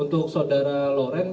untuk saudara lauren